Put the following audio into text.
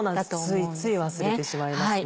ついつい忘れてしまいますね。